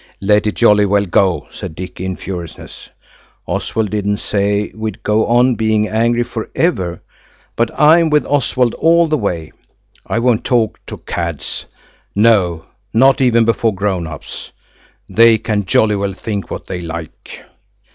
"Let it jolly well go," said Dicky in furiousness. "Oswald didn't say we'd go on being angry for ever, but I'm with Oswald all the way. I won't talk to cads–no, not even before grown ups. They can jolly well think what they like."